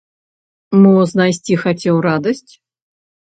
Мо знайсці хацеў радасць?